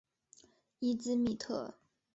伊兹密特。